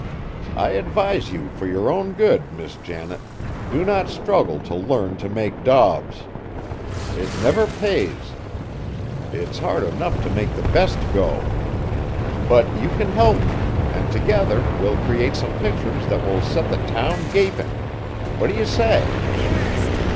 I advise you for your own good, Miss Janet, do not struggle to learn to make daubs! It never pays. It's hard enough to make the best go. But you can help me, and together we'll create some pictures that will set the town gaping. What do you say?"